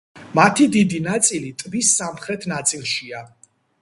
მათი დიდი ნაწილი ტბის სამხრეთ ნაწილშია.